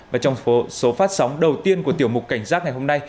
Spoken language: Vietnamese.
và trong số phát sóng đầu tiên của tiểu mục cảnh giác ngày hôm nay